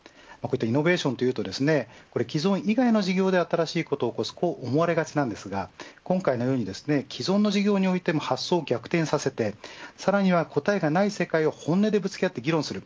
イノベーションというと既存以外の事業で新しいことを起こすと思われがちなんですが今回のように、既存の事業においても発想を逆転させてさらに答えがない世界を本音でぶつけて議論する。